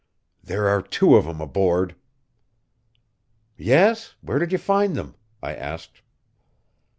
"There are two of 'em aboard." "Yes? Where did you find them?" I asked.